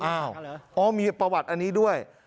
อ๋อมีประวัติอันนี้ด้วย